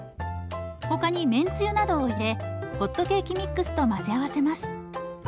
他にめんつゆなどを入れホットケーキミックスと混ぜ合わせます。